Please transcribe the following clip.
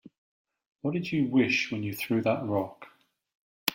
What'd you wish when you threw that rock?